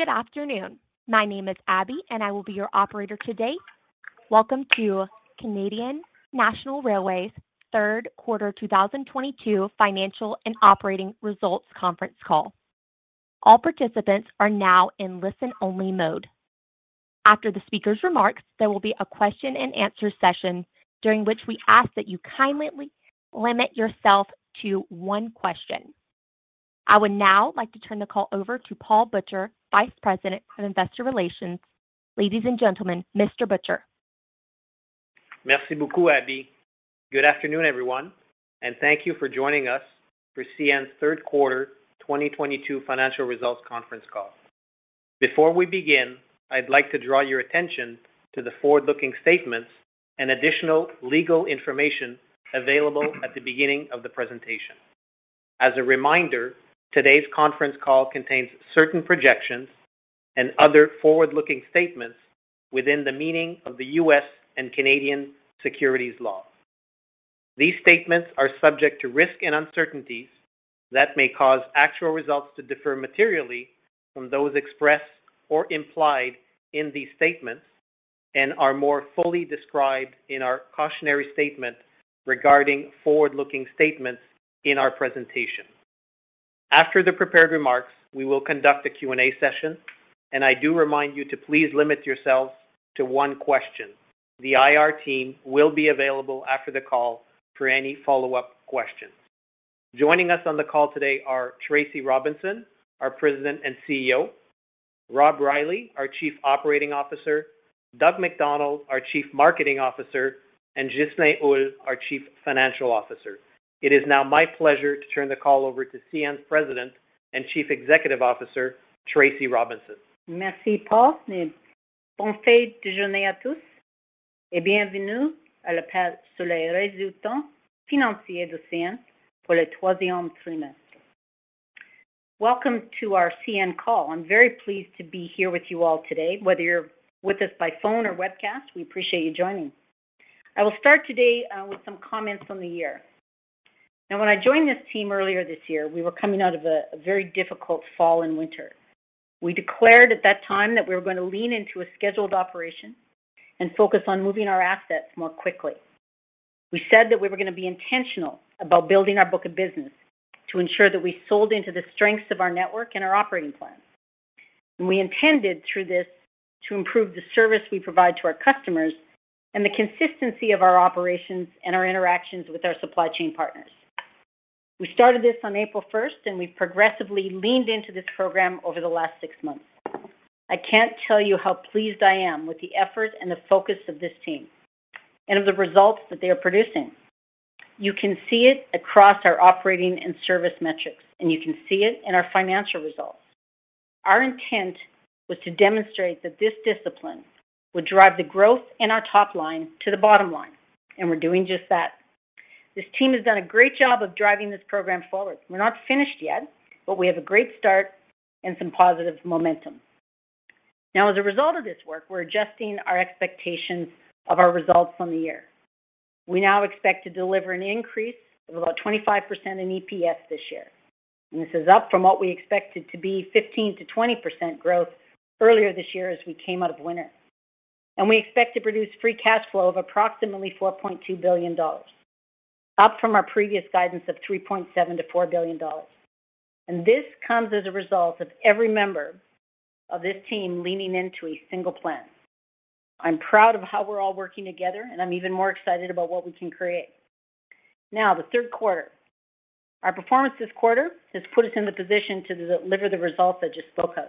Good afternoon. My name is Abby, and I will be your operator today. Welcome to Canadian National Railway's third quarter 2022 financial and operating results conference call. All participants are now in listen-only mode. After the speaker's remarks, there will be a question and answer session during which we ask that you kindly limit yourself to one question. I would now like to turn the call over to Paul Butcher, Vice President of Investor Relations. Ladies and gentlemen, Mr. Butcher. Merci beaucoup, Abby. Good afternoon, everyone, and thank you for joining us for CN's third quarter 2022 financial results conference call. Before we begin, I'd like to draw your attention to the forward-looking statements and additional legal information available at the beginning of the presentation. As a reminder, today's conference call contains certain projections and other forward-looking statements within the meaning of the U.S. and Canadian securities law. These statements are subject to risk and uncertainties that may cause actual results to differ materially from those expressed or implied in these statements and are more fully described in our cautionary statement regarding forward-looking statements in our presentation. After the prepared remarks, we will conduct a Q&A session, and I do remind you to please limit yourselves to one question. The IR team will be available after the call for any follow-up questions. Joining us on the call today are Tracy Robinson, our President and CEO, Rob Reilly, our Chief Operating Officer, Doug MacDonald, our Chief Marketing Officer, and Ghislain Houle, our Chief Financial Officer. It is now my pleasure to turn the call over to CN's President and Chief Executive Officer, Tracy Robinson. Merci, Paul. Bon fête du jour à tous et bienvenue à l'appel sur les résultats financiers de CN pour le troisième trimestre. Welcome to our CN call. I'm very pleased to be here with you all today. Whether you're with us by phone or webcast, we appreciate you joining. I will start today with some comments on the year. Now, when I joined this team earlier this year, we were coming out of a very difficult fall and winter. We declared at that time that we were gonna lean into a scheduled operation and focus on moving our assets more quickly. We said that we were gonna be intentional about building our book of business to ensure that we sold into the strengths of our network and our operating plan. We intended through this to improve the service we provide to our customers and the consistency of our operations and our interactions with our supply chain partners. We started this on April 1, and we progressively leaned into this program over the last six months. I can't tell you how pleased I am with the effort and the focus of this team and of the results that they are producing. You can see it across our operating and service metrics, and you can see it in our financial results. Our intent was to demonstrate that this discipline would drive the growth in our top line to the bottom line, and we're doing just that. This team has done a great job of driving this program forward. We're not finished yet, but we have a great start and some positive momentum. Now, as a result of this work, we're adjusting our expectations of our results from the year. We now expect to deliver an increase of about 25% in EPS this year, and this is up from what we expected to be 15%-20% growth earlier this year as we came out of winter. We expect to produce free cash flow of approximately $4.2 billion, up from our previous guidance of $3.7 billion-$4 billion. This comes as a result of every member of this team leaning into a single plan. I'm proud of how we're all working together, and I'm even more excited about what we can create. Now, the third quarter. Our performance this quarter has put us in the position to deliver the results I just spoke of.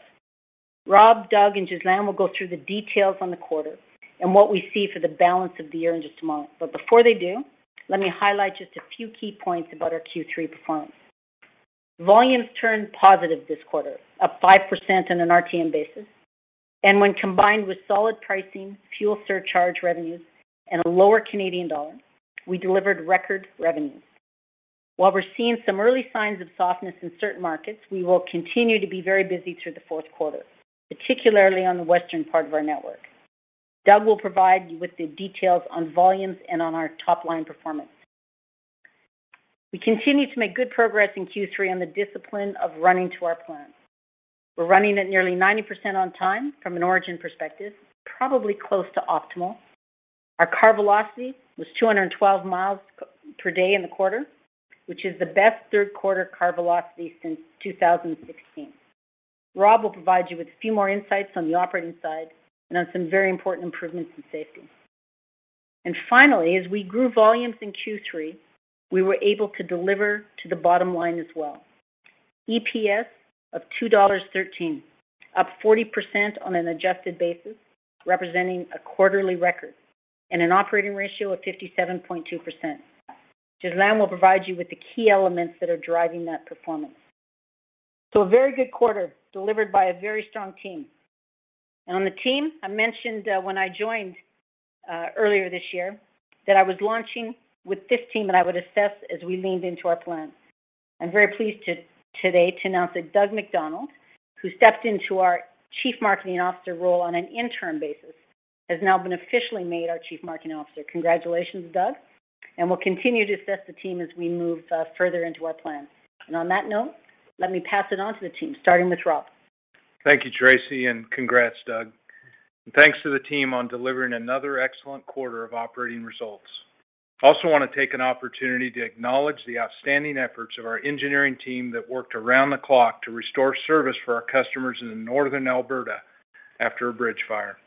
Rob Reilly, Doug MacDonald, and Ghislain Houle will go through the details on the quarter and what we see for the balance of the year in just a moment. Before they do, let me highlight just a few key points about our Q3 performance. Volumes turned positive this quarter, up 5% on an RTM basis. When combined with solid pricing, fuel surcharge revenues, and a lower Canadian dollar, we delivered record revenue. While we're seeing some early signs of softness in certain markets, we will continue to be very busy through the fourth quarter, particularly on the western part of our network. Doug MacDonald will provide you with the details on volumes and on our top-line performance. We continue to make good progress in Q3 on the discipline of running to our plan. We're running at nearly 90% on time from an origin perspective, probably close to optimal. Our car velocity was 212 miles per day in the quarter, which is the best third quarter car velocity since 2016. Rob will provide you with a few more insights on the operating side and on some very important improvements in safety. Finally, as we grew volumes in Q3, we were able to deliver to the bottom line as well. EPS of $2.13, up 40% on an adjusted basis, representing a quarterly record and an operating ratio of 57.2%. Ghislain will provide you with the key elements that are driving that performance. A very good quarter delivered by a very strong team. On the team, I mentioned, when I joined, earlier this year that I was launching with this team that I would assess as we leaned into our plan. I'm very pleased today to announce that Doug MacDonald, who stepped into our Chief Marketing Officer role on an interim basis, has now been officially made our Chief Marketing Officer. Congratulations, Doug. We'll continue to assess the team as we move further into our plan. On that note, let me pass it on to the team, starting with Rob. Thank you, Tracy, and congrats, Doug. Thanks to the team on delivering another excellent quarter of operating results. I also wanna take an opportunity to acknowledge the outstanding efforts of our engineering team that worked around the clock to restore service for our customers in northern Alberta after a bridge fire.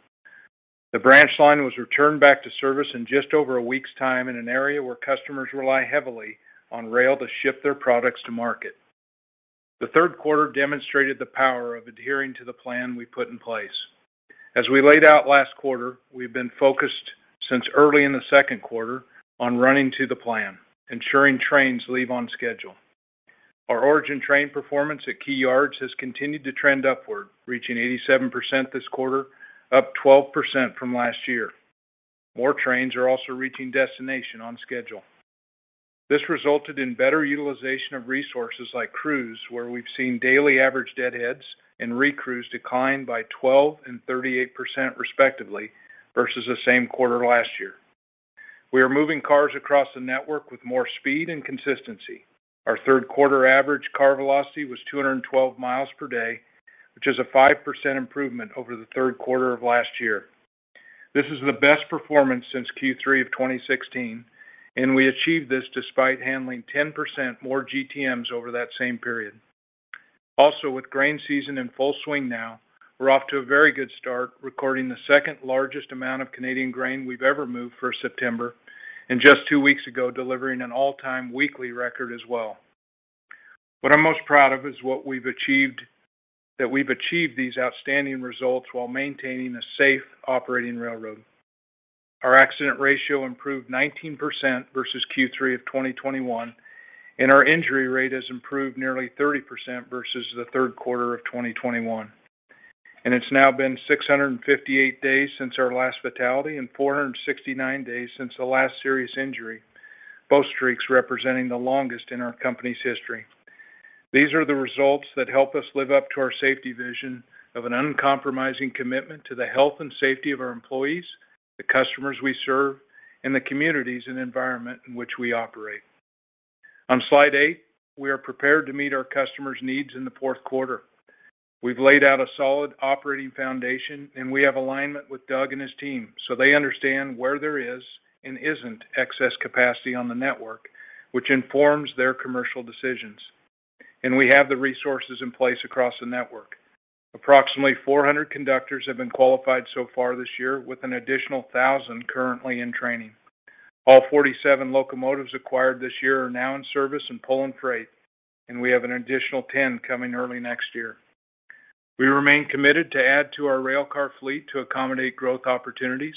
The branch line was returned back to service in just over a week's time in an area where customers rely heavily on rail to ship their products to market. The third quarter demonstrated the power of adhering to the plan we put in place. As we laid out last quarter, we've been focused since early in the second quarter on running to the plan, ensuring trains leave on schedule. Our origin train performance at key yards has continued to trend upward, reaching 87% this quarter, up 12% from last year. More trains are also reaching destination on schedule. This resulted in better utilization of resources like crews, where we've seen daily average deadheads and recrews decline by 12% and 38% respectively versus the same quarter last year. We are moving cars across the network with more speed and consistency. Our third quarter average car velocity was 212 miles per day, which is a 5% improvement over the third quarter of last year. This is the best performance since Q3 of 2016, and we achieved this despite handling 10% more GTMs over that same period. Also, with grain season in full swing now, we're off to a very good start, recording the second-largest amount of Canadian grain we've ever moved for September, and just two weeks ago, delivering an all-time weekly record as well. What I'm most proud of is what we've achieved, that we've achieved these outstanding results while maintaining a safe operating railroad. Our accident ratio improved 19% versus Q3 of 2021, and our injury rate has improved nearly 30% versus the third quarter of 2021. It's now been 658 days since our last fatality and 469 days since the last serious injury, both streaks representing the longest in our company's history. These are the results that help us live up to our safety vision of an uncompromising commitment to the health and safety of our employees, the customers we serve, and the communities and environment in which we operate. On slide 8, we are prepared to meet our customers' needs in the fourth quarter. We've laid out a solid operating foundation, and we have alignment with Doug and his team, so they understand where there is and isn't excess capacity on the network, which informs their commercial decisions. We have the resources in place across the network. Approximately 400 conductors have been qualified so far this year with an additional 1,000 currently in training. All 47 locomotives acquired this year are now in service and pulling freight, and we have an additional 10 coming early next year. We remain committed to add to our rail car fleet to accommodate growth opportunities.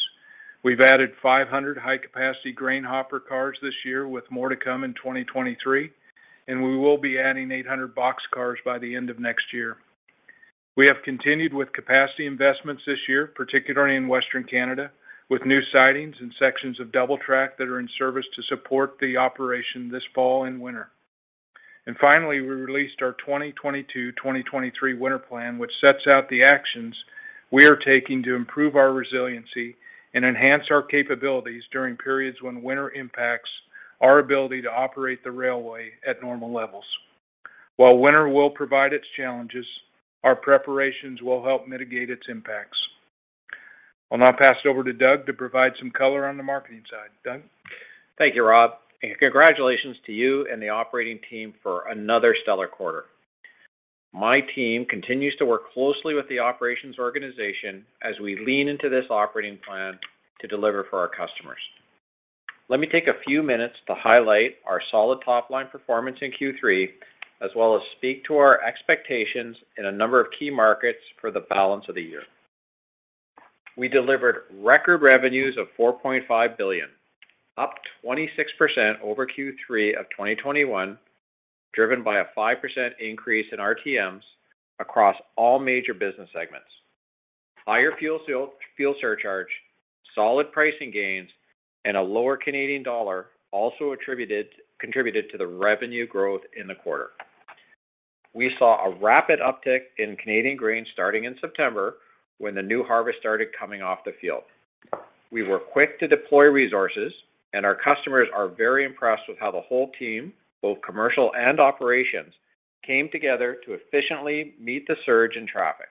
We've added 500 high-capacity grain hopper cars this year with more to come in 2023, and we will be adding 800 boxcars by the end of next year. We have continued with capacity investments this year, particularly in Western Canada, with new sidings and sections of double track that are in service to support the operation this fall and winter. Finally, we released our 2022/2023 winter plan, which sets out the actions we are taking to improve our resiliency and enhance our capabilities during periods when winter impacts our ability to operate the railway at normal levels. While winter will provide its challenges, our preparations will help mitigate its impacts. I'll now pass it over to Doug to provide some color on the marketing side. Doug? Thank you, Rob, and congratulations to you and the operating team for another stellar quarter. My team continues to work closely with the operations organization as we lean into this operating plan to deliver for our customers. Let me take a few minutes to highlight our solid top-line performance in Q3, as well as speak to our expectations in a number of key markets for the balance of the year. We delivered record revenues of $4.5 billion, up 26% over Q3 of 2021, driven by a 5% increase in RTMs across all major business segments. Higher fuel surcharge, solid pricing gains, and a lower Canadian dollar also contributed to the revenue growth in the quarter. We saw a rapid uptick in Canadian grain starting in September when the new harvest started coming off the field. We were quick to deploy resources, and our customers are very impressed with how the whole team, both commercial and operations, came together to efficiently meet the surge in traffic.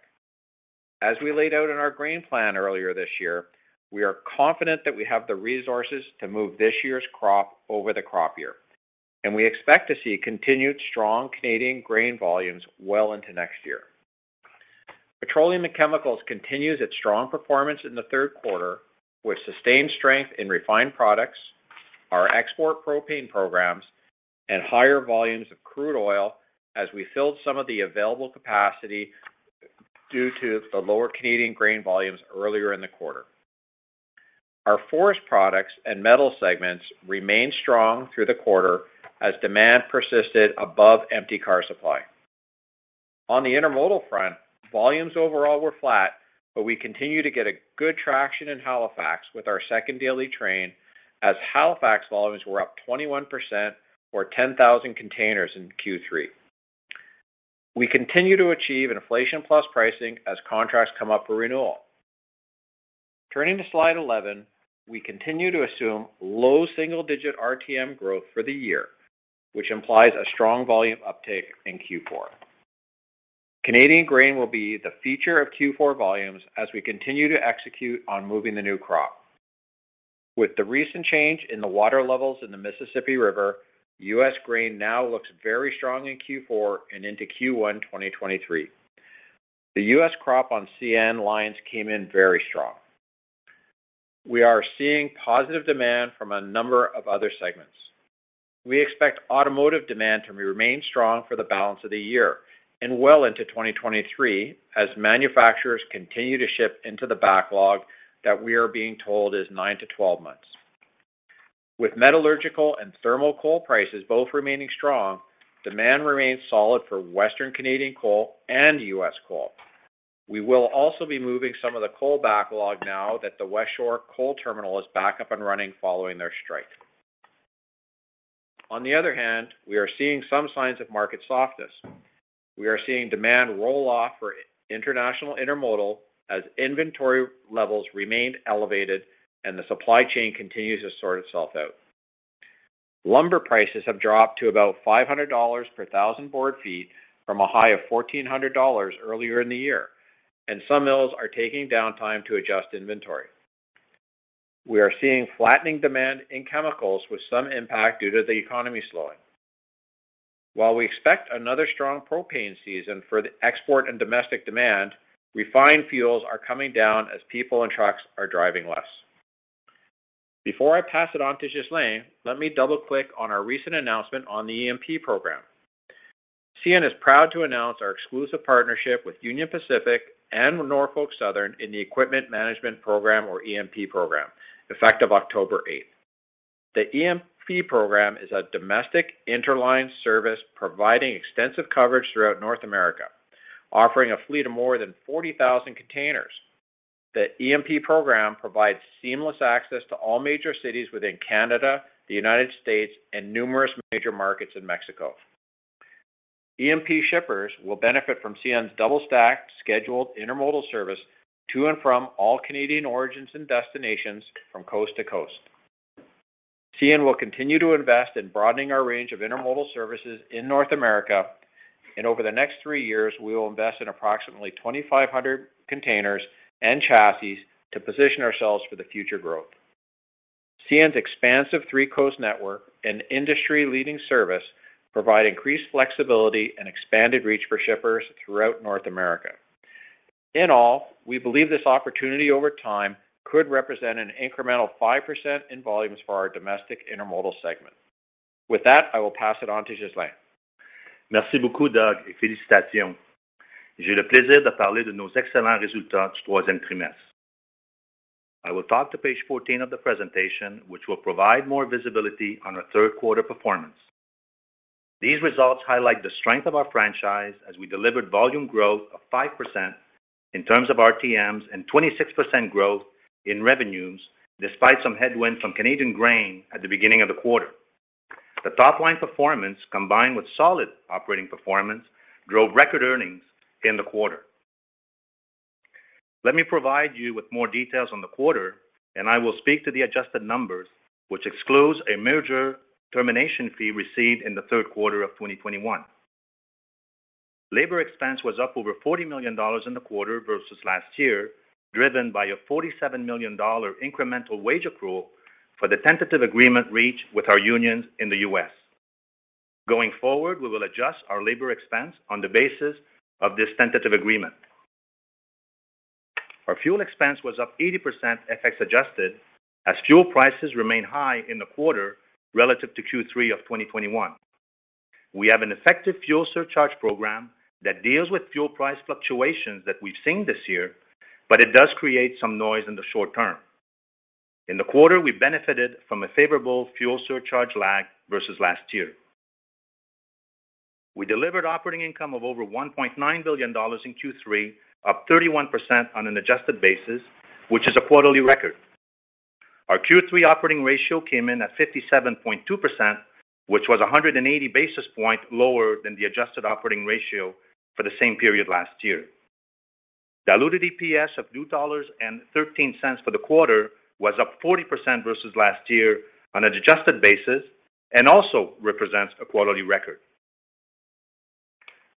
As we laid out in our grain plan earlier this year, we are confident that we have the resources to move this year's crop over the crop year, and we expect to see continued strong Canadian grain volumes well into next year. Petroleum and chemicals continues its strong performance in the third quarter with sustained strength in refined products, our export propane programs, and higher volumes of crude oil as we filled some of the available capacity due to the lower Canadian grain volumes earlier in the quarter. Our forest products and metal segments remained strong through the quarter as demand persisted above empty car supply. On the intermodal front, volumes overall were flat, but we continue to get a good traction in Halifax with our second daily train as Halifax volumes were up 21% or 10,000 containers in Q3. We continue to achieve an inflation plus pricing as contracts come up for renewal. Turning to slide 11, we continue to assume low single digit RTM growth for the year, which implies a strong volume uptake in Q4. Canadian grain will be the feature of Q4 volumes as we continue to execute on moving the new crop. With the recent change in the water levels in the Mississippi River, U.S. grain now looks very strong in Q4 and into Q1, 2023. The U.S. crop on CN lines came in very strong. We are seeing positive demand from a number of other segments. We expect automotive demand to remain strong for the balance of the year and well into 2023 as manufacturers continue to ship into the backlog that we are being told is 9-12 months. With metallurgical and thermal coal prices both remaining strong, demand remains solid for western Canadian coal and U.S. coal. We will also be moving some of the coal backlog now that the Westshore coal terminal is back up and running following their strike. On the other hand, we are seeing some signs of market softness. We are seeing demand roll off for international intermodal as inventory levels remain elevated and the supply chain continues to sort itself out. Lumber prices have dropped to about $500 per thousand board feet from a high of $1,400 earlier in the year, and some mills are taking downtime to adjust inventory. We are seeing flattening demand in chemicals with some impact due to the economy slowing. While we expect another strong propane season for the export and domestic demand, refined fuels are coming down as people and trucks are driving less. Before I pass it on to Ghislain, let me double click on our recent announcement on the EMP program. CN is proud to announce our exclusive partnership with Union Pacific and Norfolk Southern in the Equipment Management Program or EMP program, effective October eighth. The EMP program is a domestic interline service providing extensive coverage throughout North America, offering a fleet of more than 40,000 containers. The EMP program provides seamless access to all major cities within Canada, the United States, and numerous major markets in Mexico. EMP shippers will benefit from CN's double-stacked, scheduled intermodal service to and from all Canadian origins and destinations from coast to coast. CN will continue to invest in broadening our range of intermodal services in North America, and over the next three years, we will invest in approximately 2,500 containers and chassis to position ourselves for the future growth. CN's expansive three-coast network and industry-leading service provide increased flexibility and expanded reach for shippers throughout North America. In all, we believe this opportunity over time could represent an incremental 5% in volumes for our domestic intermodal segment. With that, I will pass it on to Ghislain. Merci beaucoup, Doug. I will talk to page 14 of the presentation, which will provide more visibility on our third quarter performance. These results highlight the strength of our franchise as we delivered volume growth of 5% in terms of RTMs and 26% growth in revenues despite some headwinds from Canadian grain at the beginning of the quarter. The top line performance, combined with solid operating performance, drove record earnings in the quarter. Let me provide you with more details on the quarter, and I will speak to the adjusted numbers which excludes a merger termination fee received in the third quarter of 2021. Labor expense was up over 40 million dollars in the quarter versus last year, driven by a 47 million dollar incremental wage accrual for the tentative agreement reached with our unions in the US. Going forward, we will adjust our labor expense on the basis of this tentative agreement. Our fuel expense was up 80% FX adjusted as fuel prices remain high in the quarter relative to Q3 of 2021. We have an effective fuel surcharge program that deals with fuel price fluctuations that we've seen this year, but it does create some noise in the short term. In the quarter, we benefited from a favorable fuel surcharge lag versus last year. We delivered operating income of over 1.9 billion dollars in Q3, up 31% on an adjusted basis, which is a quarterly record. Our Q3 operating ratio came in at 57.2%, which was 180 basis points lower than the adjusted operating ratio for the same period last year. Diluted EPS of $2.13 for the quarter was up 40% versus last year on an adjusted basis and also represents a quarterly record.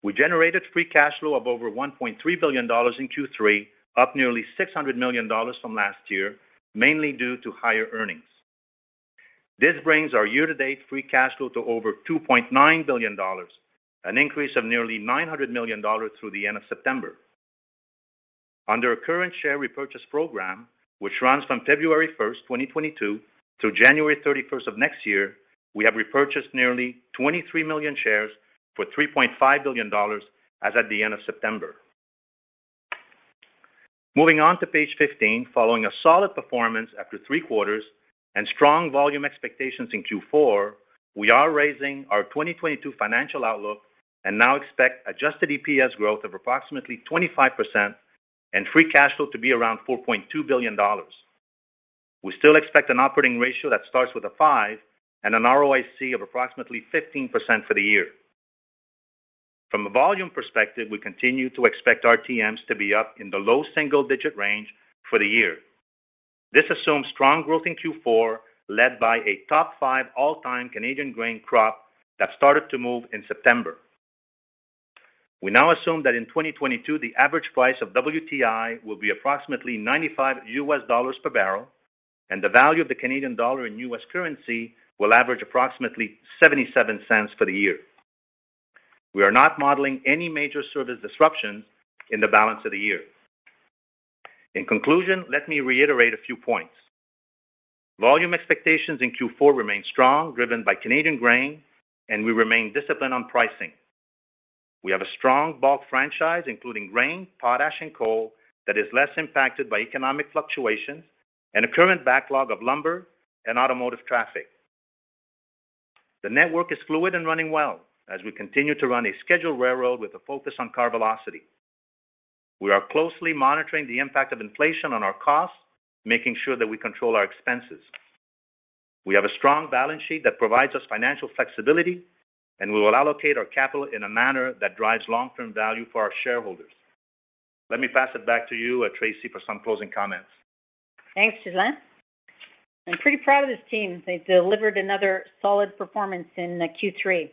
We generated free cash flow of over $1.3 billion in Q3, up nearly $600 million from last year, mainly due to higher earnings. This brings our year-to-date free cash flow to over $2.9 billion, an increase of nearly $900 million through the end of September. Under our current share repurchase program, which runs from February 1, 2022 to January 31 of next year, we have repurchased nearly 23 million shares for $3.5 billion as at the end of September. Moving on to page 15, following a solid performance after 3 quarters and strong volume expectations in Q4, we are raising our 2022 financial outlook and now expect adjusted EPS growth of approximately 25% and free cash flow to be around $4.2 billion. We still expect an operating ratio that starts with a 5 and an ROIC of approximately 15% for the year. From a volume perspective, we continue to expect our TMs to be up in the low single-digit range for the year. This assumes strong growth in Q4, led by a top 5 all-time Canadian grain crop that started to move in September. We now assume that in 2022, the average price of WTI will be approximately $95 per barrel, and the value of the Canadian dollar in US currency will average approximately $0.77 for the year. We are not modeling any major service disruptions in the balance of the year. In conclusion, let me reiterate a few points. Volume expectations in Q4 remain strong, driven by Canadian grain, and we remain disciplined on pricing. We have a strong bulk franchise, including grain, potash, and coal, that is less impacted by economic fluctuations and a current backlog of lumber and automotive traffic. The network is fluid and running well as we continue to run a scheduled railroad with a focus on car velocity. We are closely monitoring the impact of inflation on our costs, making sure that we control our expenses. We have a strong balance sheet that provides us financial flexibility, and we will allocate our capital in a manner that drives long-term value for our shareholders. Let me pass it back to you, Tracy, for some closing comments. Thanks, Ghislain Houle. I'm pretty proud of this team. They delivered another solid performance in Q3.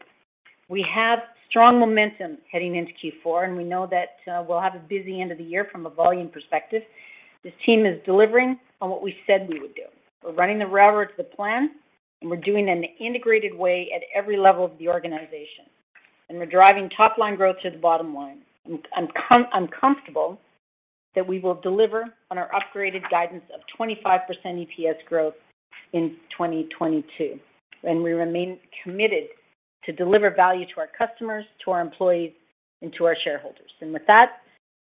We have strong momentum heading into Q4, and we know that we'll have a busy end of the year from a volume perspective. This team is delivering on what we said we would do. We're running the railroad to plan, and we're doing it in an integrated way at every level of the organization. We're driving top-line growth to the bottom line. I'm comfortable that we will deliver on our upgraded guidance of 25% EPS growth in 2022. We remain committed to deliver value to our customers, to our employees, and to our shareholders. With that,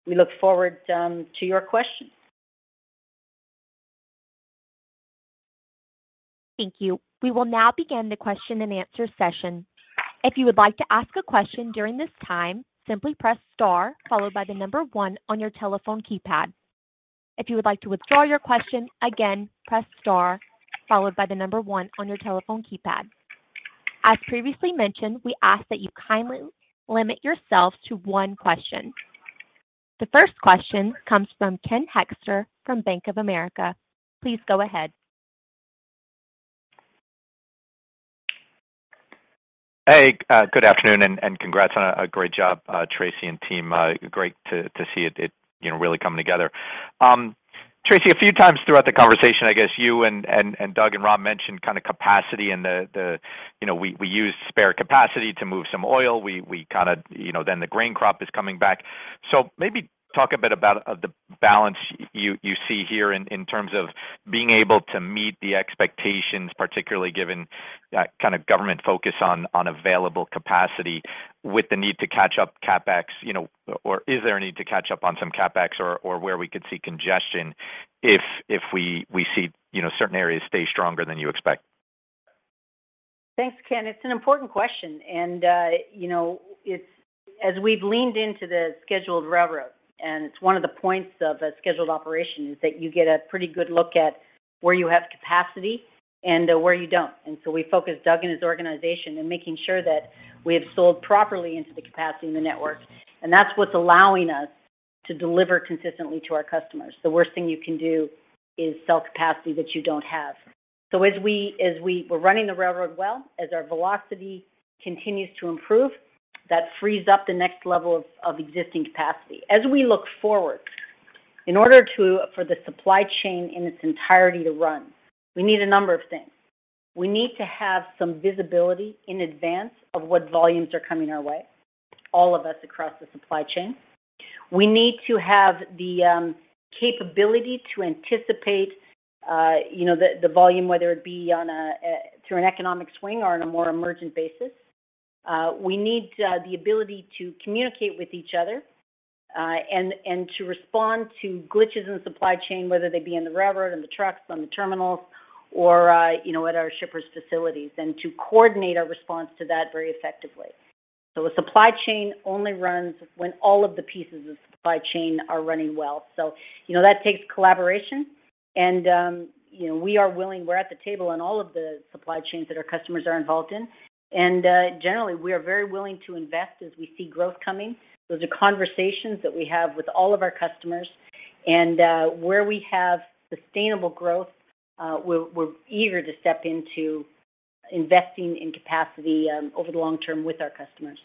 we look forward to your questions. Thank you. We will now begin the question-and-answer session. If you would like to ask a question during this time, simply press star followed by the number one on your telephone keypad. If you would like to withdraw your question, again, press star followed by the number one on your telephone keypad. As previously mentioned, we ask that you kindly limit yourself to one question. The first question comes from Ken Hoexter from Bank of America. Please go ahead. Hey, good afternoon, and congrats on a great job, Tracy and team. Great to see it, you know, really coming together. Tracy, a few times throughout the conversation, I guess you and Doug and Rob mentioned kind of capacity and the, you know, we used spare capacity to move some oil. We kinda. You know, then the grain crop is coming back. So maybe talk a bit about the balance you see here in terms of being able to meet the expectations, particularly given that kind of government focus on available capacity with the need to catch up CapEx, you know? Or is there a need to catch up on some CapEx or where we could see congestion if we see, you know, certain areas stay stronger than you expect? Thanks, Ken. It's an important question, and you know, as we've leaned into the scheduled railroad, and it's one of the points of a scheduled operation, is that you get a pretty good look at where you have capacity and where you don't. We focus Doug and his organization on making sure that we have sold properly into the capacity in the network, and that's what's allowing us to deliver consistently to our customers. The worst thing you can do is sell capacity that you don't have. We're running the railroad well. As our velocity continues to improve, that frees up the next level of existing capacity. As we look forward, in order for the supply chain in its entirety to run, we need a number of things. We need to have some visibility in advance of what volumes are coming our way, all of us across the supply chain. We need to have the capability to anticipate, you know, the volume, whether it be through an economic swing or on a more emergent basis. We need the ability to communicate with each other, and to respond to glitches in supply chain, whether they be in the railroad, in the trucks, on the terminals, or you know, at our shippers' facilities and to coordinate our response to that very effectively. The supply chain only runs when all of the pieces of the supply chain are running well. You know, that takes collaboration and, you know, we are willing. We're at the table on all of the supply chains that our customers are involved in. Generally, we are very willing to invest as we see growth coming. Those are conversations that we have with all of our customers. Where we have sustainable growth, we're eager to step into investing in capacity over the long term with our customers.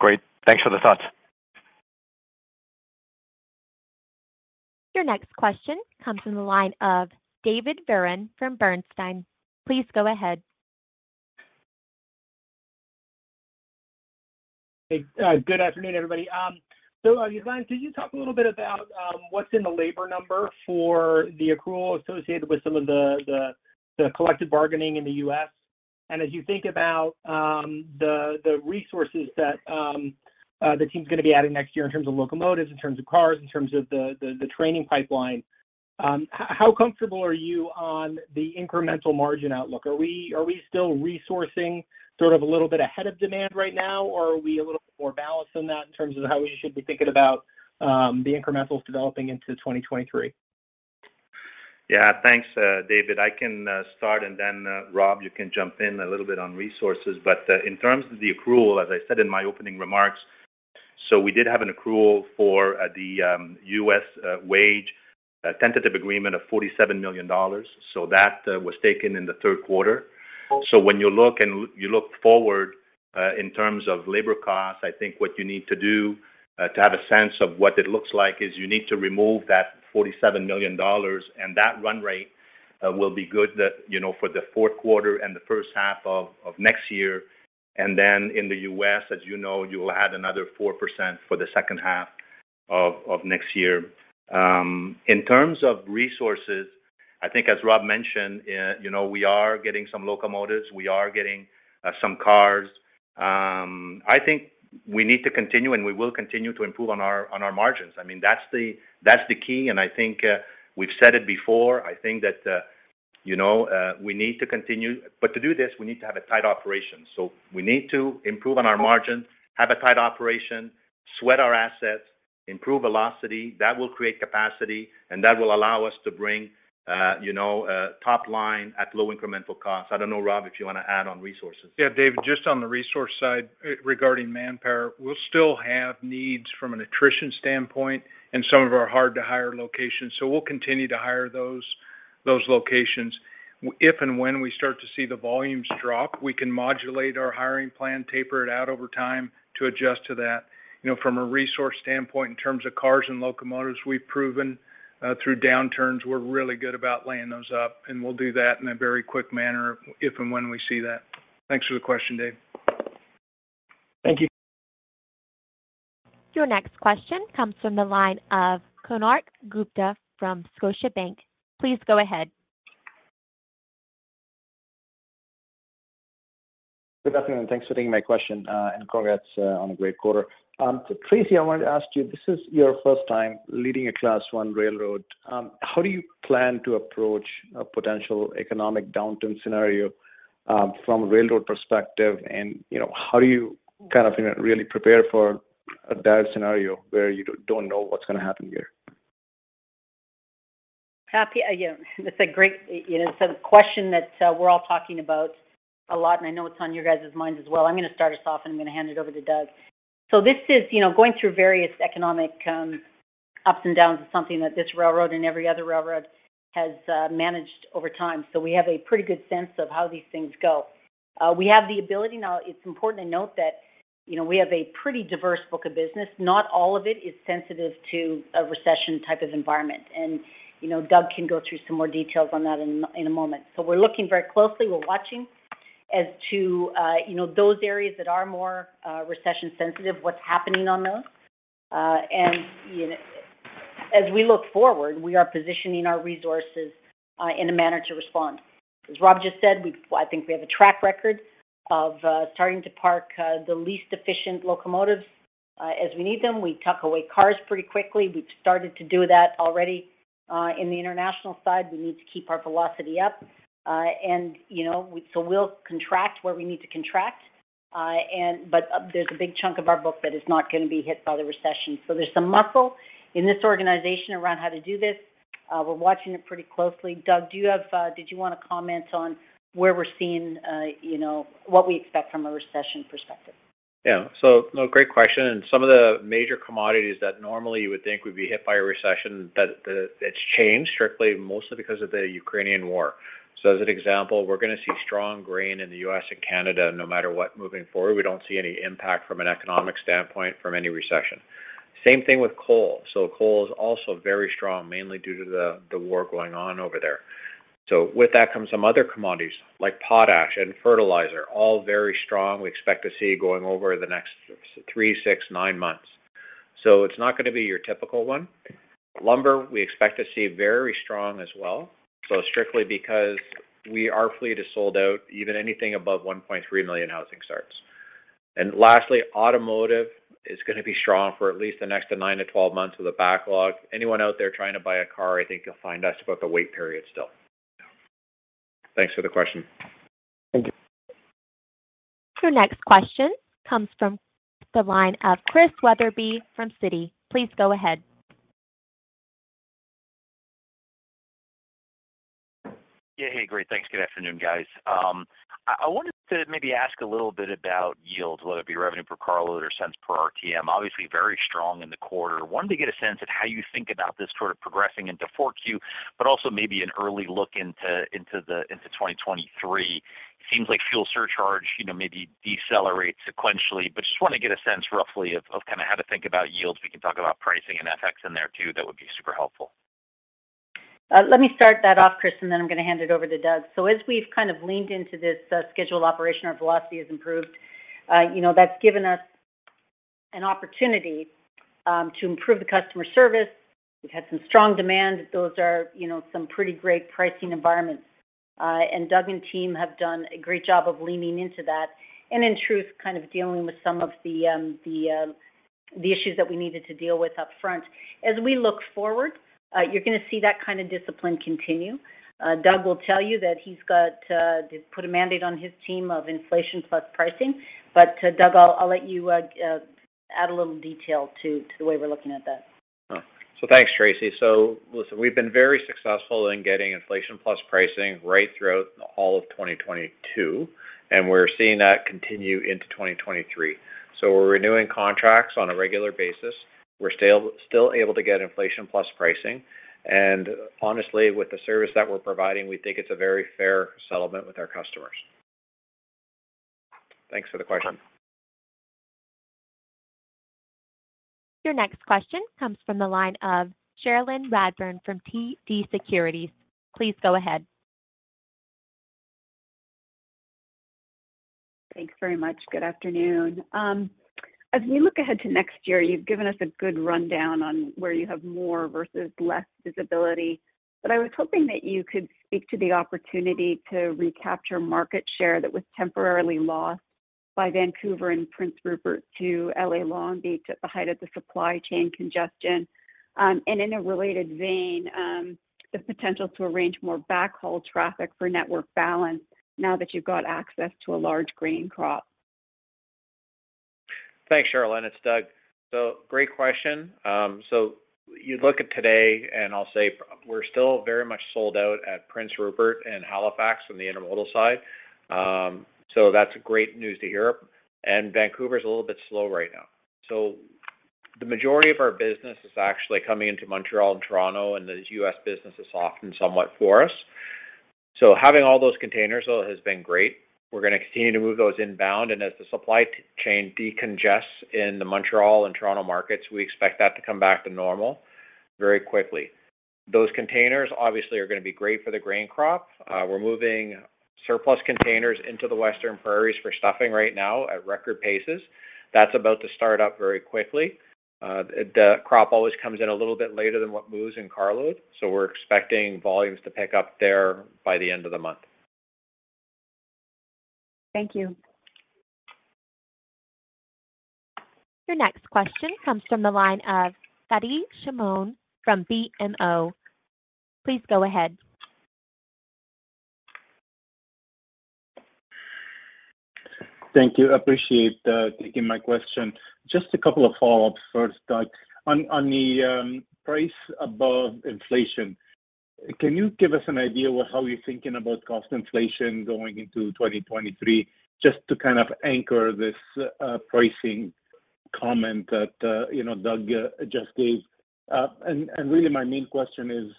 Great. Thanks for the thoughts. Your next question comes from the line of David Vernon from Bernstein. Please go ahead. Hey. Good afternoon, everybody. Can you talk a little bit about what's in the labor number for the accrual associated with some of the collective bargaining in the U.S.? As you think about the resources that the team's gonna be adding next year in terms of locomotives, in terms of cars, in terms of the training pipeline, how comfortable are you on the incremental margin outlook? Are we still resourcing sort of a little bit ahead of demand right now, or are we a little bit more balanced than that in terms of how we should be thinking about the incrementals developing into 2023? Yeah. Thanks, David. I can start, and then Rob, you can jump in a little bit on resources. In terms of the accrual, as I said in my opening remarks, we did have an accrual for the U.S. wage a tentative agreement of $47 million. That was taken in the third quarter. When you look forward, in terms of labor costs, I think what you need to do to have a sense of what it looks like is you need to remove that $47 million, and that run rate will be good, you know, for the fourth quarter and the first half of next year. Then in the U.S., as you know, you will add another 4% for the second half of next year. In terms of resources, I think as Rob mentioned, you know, we are getting some locomotives, we are getting some cars. I think we need to continue, and we will continue to improve on our margins. I mean, that's the key, and I think we've said it before, I think that you know we need to continue. To do this, we need to have a tight operation. We need to improve on our margins, have a tight operation, sweat our assets, improve velocity. That will create capacity, and that will allow us to bring you know top line at low incremental costs. I don't know, Rob, if you wanna add on resources. Yeah. Dave, just on the resource side, regarding manpower, we'll still have needs from an attrition standpoint in some of our hard to hire locations. We'll continue to hire those locations. If and when we start to see the volumes drop, we can modulate our hiring plan, taper it out over time to adjust to that. You know, from a resource standpoint, in terms of cars and locomotives, we've proven through downturns we're really good about laying those up, and we'll do that in a very quick manner if and when we see that. Thanks for the question, Dave. Thank you. Your next question comes from the line of Konark Gupta from Scotiabank. Please go ahead. Good afternoon. Thanks for taking my question, and congrats on a great quarter. Tracy, I wanted to ask you, this is your first time leading a Class I railroad. How do you plan to approach a potential economic downturn scenario, from a railroad perspective? You know, how do you kind of, you know, really prepare for a dire scenario where you don't know what's gonna happen here? Yeah, that's a great, you know, question that we're all talking about a lot, and I know it's on your guys' minds as well. I'm gonna start us off, and I'm gonna hand it over to Doug. This is, you know, going through various economic ups and downs is something that this railroad and every other railroad has managed over time. We have a pretty good sense of how these things go. We have the ability now. It's important to note that, you know, we have a pretty diverse book of business. Not all of it is sensitive to a recession type of environment. Doug can go through some more details on that in a moment. We're looking very closely. We're watching as to, you know, those areas that are more, recession sensitive, what's happening on those. You know, as we look forward, we are positioning our resources in a manner to respond. As Rob just said, I think we have a track record of starting to park the least efficient locomotives as we need them. We tuck away cars pretty quickly. We've started to do that already. In the international side, we need to keep our velocity up. You know, we'll contract where we need to contract. There's a big chunk of our book that is not gonna be hit by the recession. There's some muscle in this organization around how to do this. We're watching it pretty closely. Doug, did you wanna comment on where we're seeing, you know, what we expect from a recession perspective? Yeah. No, great question. Some of the major commodities that normally you would think would be hit by a recession, it's changed strictly, mostly because of the Ukrainian war. As an example, we're gonna see strong grain in the U.S. and Canada no matter what moving forward. We don't see any impact from an economic standpoint from any recession. Same thing with coal. Coal is also very strong, mainly due to the war going on over there. With that comes some other commodities like potash and fertilizer, all very strong we expect to see going over the next three, six, nine months. It's not gonna be your typical one. Lumber, we expect to see very strong as well. Strictly because we-- our fleet is sold out, even anything above 1.3 million housing starts. Lastly, automotive is gonna be strong for at least the next 9-12 months with a backlog. Anyone out there trying to buy a car, I think you'll find that's about the wait period still. Thanks for the question. Thank you. Your next question comes from the line of Christian F. Wetherbee from Citi. Please go ahead. Yeah. Hey. Great. Thanks. Good afternoon, guys. I wanted to maybe ask a little bit about yields, whether it be revenue per car load or cents per RTM. Obviously very strong in the quarter. Wanted to get a sense of how you think about this sort of progressing into Q4, but also maybe an early look into 2023. Seems like fuel surcharge, you know, maybe decelerates sequentially, but just wanna get a sense roughly of kinda how to think about yields. We can talk about pricing and FX in there too. That would be super helpful. Let me start that off, Chris, and then I'm gonna hand it over to Doug. As we've kind of leaned into this, scheduled operation, our velocity has improved. You know, that's given us an opportunity to improve the customer service. We've had some strong demand. Those are, you know, some pretty great pricing environments. Doug and team have done a great job of leaning into that and in truth, kind of dealing with some of the issues that we needed to deal with up front. As we look forward, you're gonna see that kind of discipline continue. Doug will tell you that he's got to put a mandate on his team of inflation plus pricing. Doug, I'll let you add a little detail to the way we're looking at that. Oh. Thanks, Tracy. Listen, we've been very successful in getting inflation plus pricing right throughout all of 2022, and we're seeing that continue into 2023. We're renewing contracts on a regular basis. We're still able to get inflation plus pricing. And honestly, with the service that we're providing, we think it's a very fair settlement with our customers. Thanks for the question. Your next question comes from the line of Cherilyn Radbourne from TD Securities. Please go ahead. Thanks very much. Good afternoon. As we look ahead to next year, you've given us a good rundown on where you have more versus less visibility. I was hoping that you could speak to the opportunity to recapture market share that was temporarily lost by Vancouver and Prince Rupert to L.A. Long Beach at the height of the supply chain congestion. In a related vein, the potential to arrange more backhaul traffic for network balance now that you've got access to a large grain crop. Thanks, Cherilyn. It's Doug. Great question. You look at today, and I'll say we're still very much sold out at Prince Rupert and Halifax on the intermodal side. That's great news to hear. Vancouver is a little bit slow right now. The majority of our business is actually coming into Montreal and Toronto, and the U.S. business is soft and somewhat soft for us. Having all those containers though has been great. We're gonna continue to move those inbound, and as the supply chain decongests in the Montreal and Toronto markets, we expect that to come back to normal very quickly. Those containers obviously are gonna be great for the grain crop. We're moving surplus containers into the Western prairies for stuffing right now at record paces. That's about to start up very quickly. The crop always comes in a little bit later than what moves in carload, so we're expecting volumes to pick up there by the end of the month. Thank you. Your next question comes from the line of Fadi Chamoun from BMO. Please go ahead. Thank you. Appreciate taking my question. Just a couple of follow-ups first, Doug. On the price above inflation, can you give us an idea how you're thinking about cost inflation going into 2023, just to kind of anchor this pricing comment that you know, Doug just gave? Really my main question is,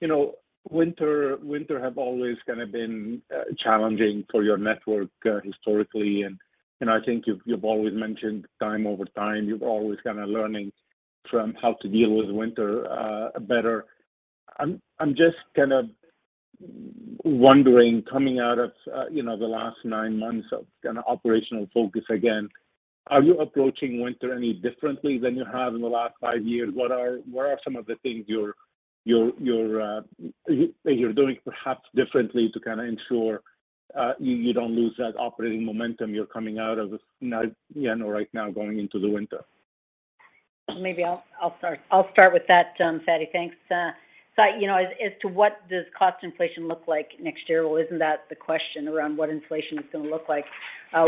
you know, winter have always kind of been challenging for your network historically. You know, I think you've always mentioned time over time, you've always kinda learning from how to deal with winter better. I'm just kind of wondering, coming out of you know, the last nine months of kinda operational focus again, are you approaching winter any differently than you have in the last five years? What are some of the things you're doing perhaps differently to kinda ensure you don't lose that operating momentum you're coming out of this now, you know, right now going into the winter? Maybe I'll start with that, Fadi. Thanks. You know, as to what does cost inflation look like next year? Well, isn't that the question around what inflation is gonna look like?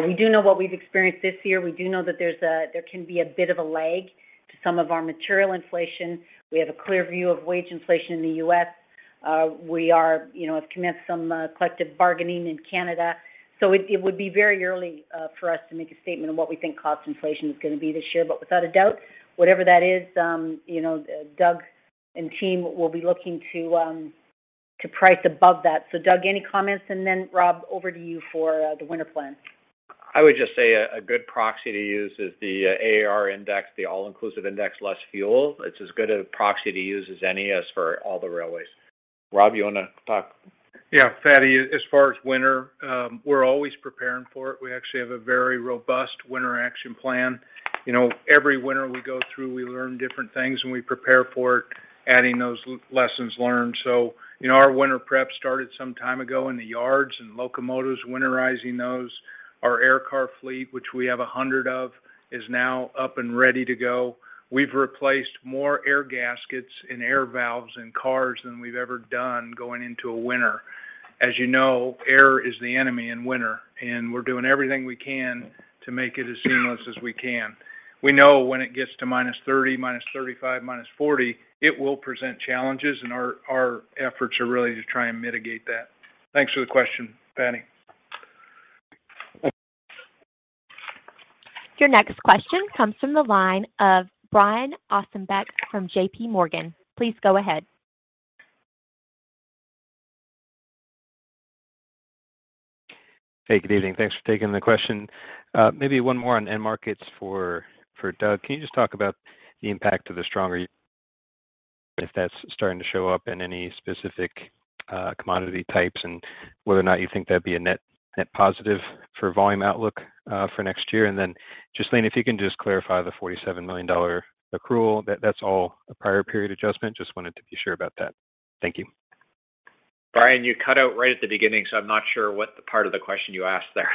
We do know what we've experienced this year. We do know that there can be a bit of a lag to some of our material inflation. We have a clear view of wage inflation in the U.S. We, you know, have commenced some collective bargaining in Canada. It would be very early for us to make a statement on what we think cost inflation is gonna be this year. Without a doubt, whatever that is, you know, Doug and team will be looking to price above that. Doug, any comments? Rob, over to you for the winter plan. I would just say a good proxy to use is the AAR index, the all inclusive index, less fuel. It's as good a proxy to use as any for all the railways. Rob, you wanna talk? Yeah. Fadi, as far as winter, we're always preparing for it. We actually have a very robust winter action plan. You know, every winter we go through, we learn different things and we prepare for it, adding those lessons learned. You know, our winter prep started some time ago in the yards and locomotives winterizing those. Our air car fleet, which we have 100 of, is now up and ready to go. We've replaced more air gaskets and air valves and cars than we've ever done going into a winter. As you know, air is the enemy in winter, and we're doing everything we can to make it as seamless as we can. We know when it gets to -30, -35, -40, it will present challenges, and our efforts are really to try and mitigate that. Thanks for the question, Fadi. Your next question comes from the line of Brian Ossenbeck from JPMorgan. Please go ahead. Hey, good evening. Thanks for taking the question. Maybe one more on end markets for Doug. Can you just talk about the impact of the stronger if that's starting to show up in any specific commodity types and whether or not you think that'd be a net positive for volume outlook for next year? Then Ghislain, if you can just clarify the 47 million dollar accrual, that's all a prior period adjustment. Just wanted to be sure about that. Thank you. Brian, you cut out right at the beginning, so I'm not sure what the part of the question you asked there.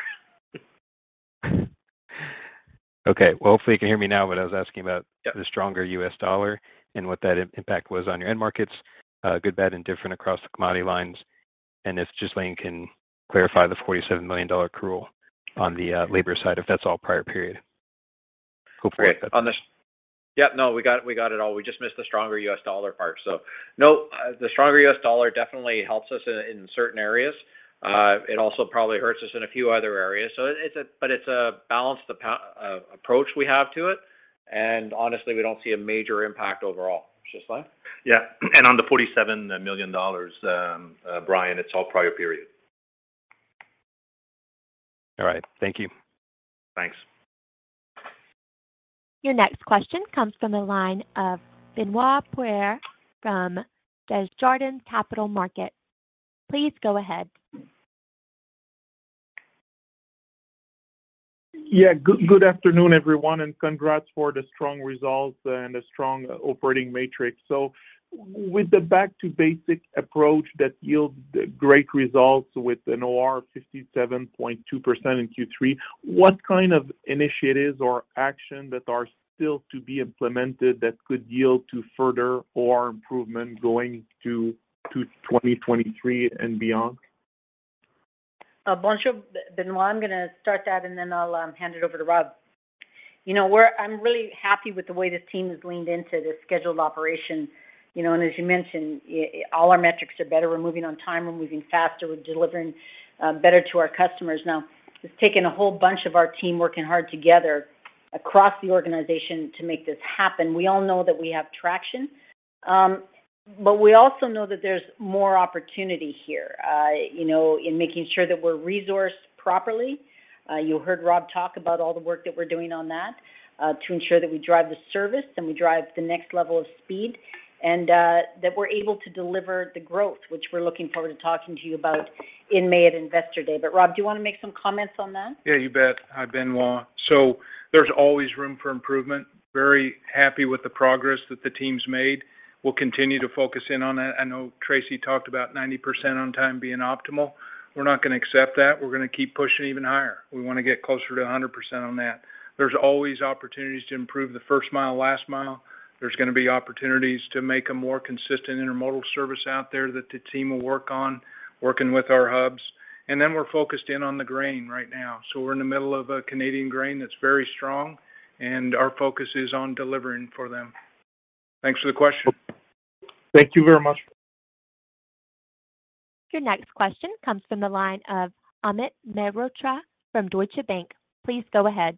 Okay. Well, hopefully you can hear me now, but I was asking about. Yep. the stronger US dollar and what that impact was on your end markets, good, bad, indifferent across the commodity lines. If Ghislain can clarify the 47 million dollar accrual on the labor side, if that's all prior period. Hopefully, that's- Great. Yep, no, we got it all. We just missed the stronger U.S. dollar part. The stronger U.S. dollar definitely helps us in certain areas. It also probably hurts us in a few other areas. It's a balanced approach we have to it, and honestly, we don't see a major impact overall. Ghislain? Yeah. On the 47 million dollars, Brian, it's all prior period. All right. Thank you. Thanks. Your next question comes from the line of Benoit Poirier from Desjardins Capital Markets. Please go ahead. Yeah. Good afternoon, everyone, and congrats for the strong results and the strong operating metrics. With the back-to-basics approach that yield great results with an OR 57.2% in Q3, what kind of initiatives or action that are still to be implemented that could yield to further OR improvement going to 2023 and beyond? Bonjour, Benoit. I'm gonna start that, and then I'll hand it over to Rob. You know, I'm really happy with the way the team has leaned into this scheduled operation, you know. As you mentioned, all our metrics are better. We're moving on time, we're moving faster, we're delivering better to our customers. Now, it's taken a whole bunch of our team working hard together across the organization to make this happen. We all know that we have traction, but we also know that there's more opportunity here, you know, in making sure that we're resourced properly. You heard Rob talk about all the work that we're doing on that, to ensure that we drive the service, and we drive the next level of speed and, that we're able to deliver the growth, which we're looking forward to talking to you about in May at Investor Day. Rob, do you wanna make some comments on that? Yeah, you bet. Hi, Benoit. There's always room for improvement. Very happy with the progress that the team's made. We'll continue to focus in on that. I know Tracy talked about 90% on time being optimal. We're not gonna accept that. We're gonna keep pushing even higher. We want to get closer to 100% on that. There's always opportunities to improve the first mile, last mile. There's gonna be opportunities to make a more consistent intermodal service out there that the team will work on, working with our hubs. We're focused in on the grain right now. We're in the middle of a Canadian grain that's very strong, and our focus is on delivering for them. Thanks for the question. Thank you very much. Your next question comes from the line of Amit Mehrotra from Deutsche Bank. Please go ahead.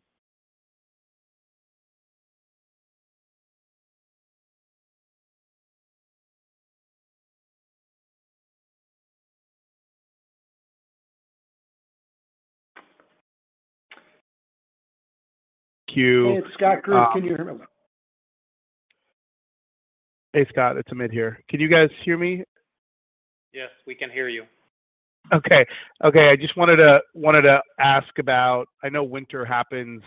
Q, uh- Hey, it's Scott Group. Can you hear me? Hey, Scott. It's Amit here. Can you guys hear me? Yes, we can hear you. Okay. I just wanted to ask about, I know winter happens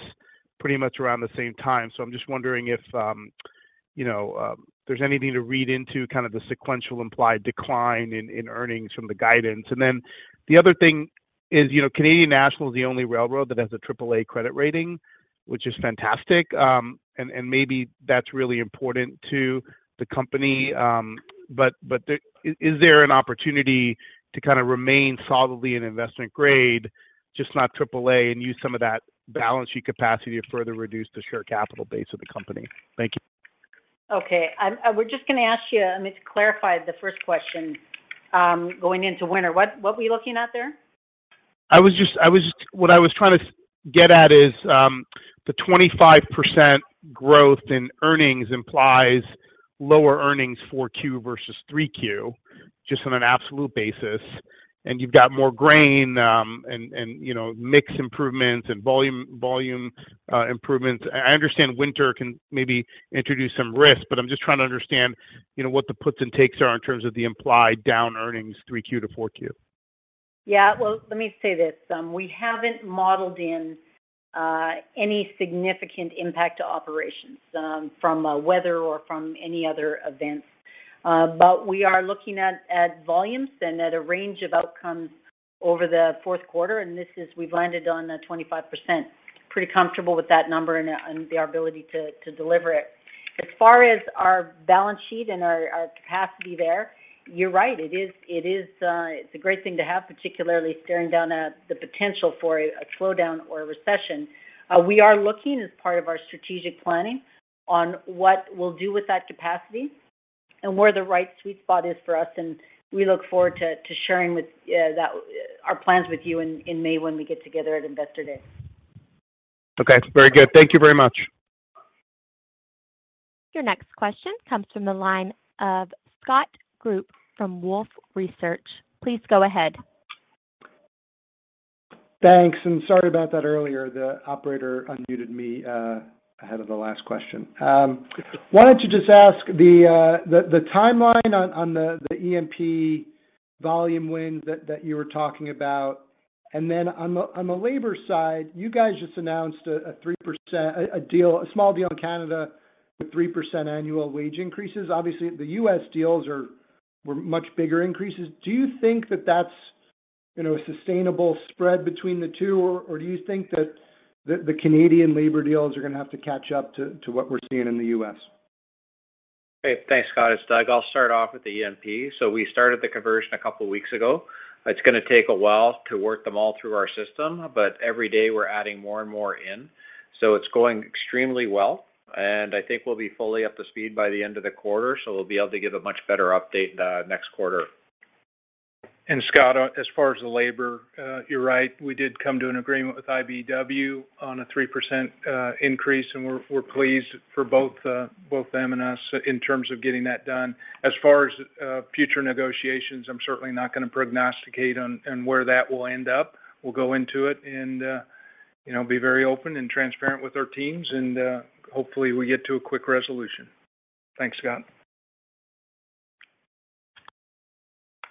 pretty much around the same time, so I'm just wondering if you know there's anything to read into kind of the sequential implied decline in earnings from the guidance. Then the other thing is, you know, Canadian National is the only railroad that has a triple-A credit rating, which is fantastic. And maybe that's really important to the company. But the... Is there an opportunity to kinda remain solidly in investment grade, just not triple-A, and use some of that balance sheet capacity to further reduce the share capital base of the company? Thank you. Okay. We're just gonna ask you, Amit, to clarify the first question, going into winter. What were you looking at there? What I was trying to get at is, the 25% growth in earnings implies lower earnings for 4Q versus 3Q, just on an absolute basis. You've got more grain, and you know, mix improvements and volume improvements. I understand winter can maybe introduce some risk, but I'm just trying to understand, you know, what the puts and takes are in terms of the implied down earnings 3Q to 4Q. Yeah. Well, let me say this. We haven't modeled in any significant impact to operations from weather or from any other events. But we are looking at volumes and at a range of outcomes over the fourth quarter, and we've landed on 25%. Pretty comfortable with that number and the ability to deliver it. As far as our balance sheet and our capacity there, you're right. It is a great thing to have, particularly staring down at the potential for a slowdown or a recession. We are looking as part of our strategic planning on what we'll do with that capacity and where the right sweet spot is for us, and we look forward to sharing our plans with you in May when we get together at Investor Day. Okay. Very good. Thank you very much. Your next question comes from the line of Scott Group from Wolfe Research. Please go ahead. Thanks, sorry about that earlier. The operator unmuted me ahead of the last question. Wanted to just ask the timeline on the EMP volume wins that you were talking about. On the labor side, you guys just announced a 3% deal, a small deal in Canada with 3% annual wage increases. Obviously, the U.S. deals were much bigger increases. Do you think that that's, you know, a sustainable spread between the two, or do you think that the Canadian labor deals are gonna have to catch up to what we're seeing in the U.S.? Hey, thanks, Scott. It's Doug. I'll start off with the EMP. We started the conversion a couple weeks ago. It's gonna take a while to work them all through our system, but every day we're adding more and more in, so it's going extremely well. I think we'll be fully up to speed by the end of the quarter, so we'll be able to give a much better update, next quarter. Scott, as far as the labor, you're right. We did come to an agreement with IBEW on a 3% increase, and we're pleased for both them and us in terms of getting that done. As far as future negotiations, I'm certainly not gonna prognosticate on where that will end up. We'll go into it and you know, be very open and transparent with our teams, and hopefully we get to a quick resolution. Thanks, Scott.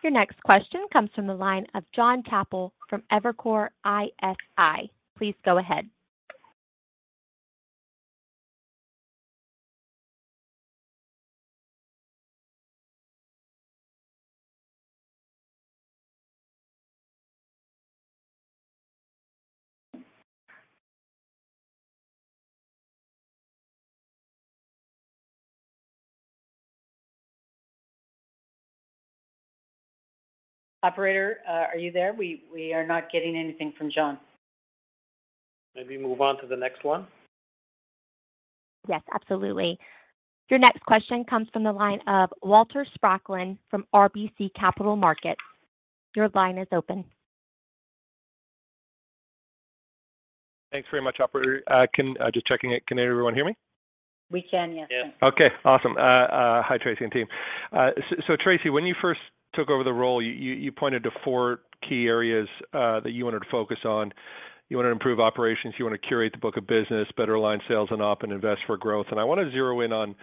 Your next question comes from the line of Jonathan Chappell from Evercore ISI. Please go ahead. Operator, are you there? We are not getting anything from Jon. Maybe move on to the next one. Yes, absolutely. Your next question comes from the line of Walter Spracklin from RBC Capital Markets. Your line is open. Thanks very much, operator. Just checking in. Can everyone hear me? We can, yes. Yes. Okay, awesome. Hi, Tracy and team. So, Tracy, when you first took over the role, you pointed to four key areas that you wanted to focus on. You want to improve operations, you want to curate the book of business, better align sales and op, and invest for growth. I wanna zero in on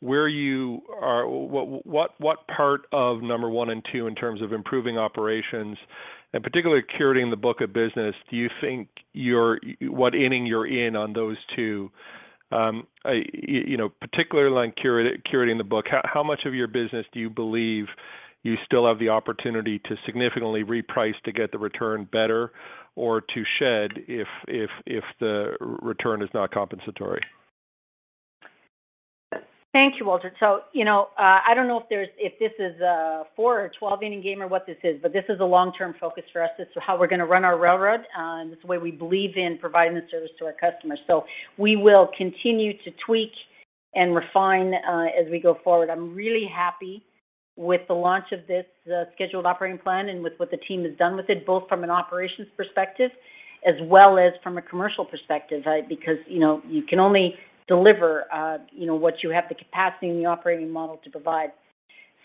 where you are, what part of number one and two in terms of improving operations, and particularly curating the book of business, do you think you're in, what inning you're in on those two. You know, particularly on curating the book, how much of your business do you believe you still have the opportunity to significantly reprice to get the return better or to shed if the return is not compensatory? Thank you, Walter. You know, I don't know if this is a four or twelve-inning game or what this is, but this is a long-term focus for us. This is how we're gonna run our railroad, and this is the way we believe in providing the service to our customers. We will continue to tweak and refine as we go forward. I'm really happy with the launch of this scheduled operating plan and with what the team has done with it, both from an operations perspective as well as from a commercial perspective. Because, you know, you can only deliver what you have the capacity in the operating model to provide.